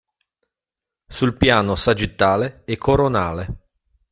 Sul piano sagittale e coronale.